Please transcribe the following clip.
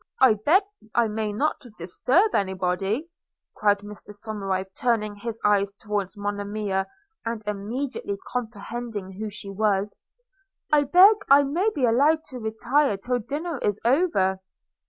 'I beg I may not disturb any body,' cried Mr Somerive turning his eyes towards Monimia, and immediately comprehending who she was – 'I beg I may be allowed to retire till dinner is over.'